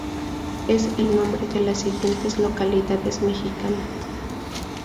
Es el nombre de las siguientes localidades mexicanas.